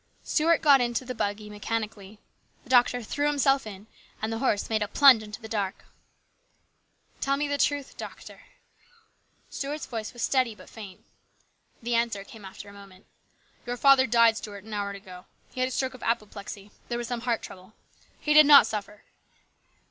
Stuart got into the buggy mechanically. The doctor threw himself in and the horse made a plunge into the dark. THE GREAT STRIKE. 37 "Tell me the truth, doctor." Stuart's voice was steady but faint. The answer came after a moment. " Your father died, Stuart, an hour ago. He had a stroke of apoplexy. There was some heart trouble. He did not suffer."